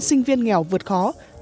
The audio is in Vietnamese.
sinh viên nghèo vượt khó khăn